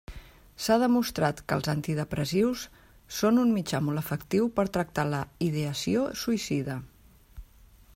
S'ha demostrat que els antidepressius són un mitjà molt efectiu per tractar la ideació suïcida.